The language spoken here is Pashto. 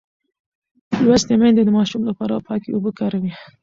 لوستې میندې د ماشوم لپاره پاکې اوبه کاروي.